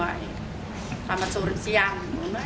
selamat sore siang